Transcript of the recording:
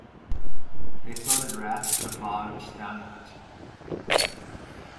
They floated rafts of logs down the Hudson.